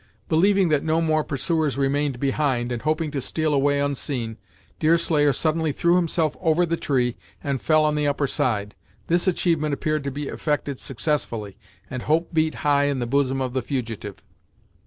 Believing that no more pursuers remained behind, and hoping to steal away unseen, Deerslayer suddenly threw himself over the tree, and fell on the upper side. This achievement appeared to be effected successfully, and hope beat high in the bosom of the fugitive.